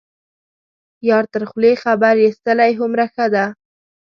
یار تر خولې خبر یستلی هومره ښه ده.